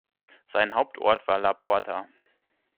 Sein Hauptort war La Porta.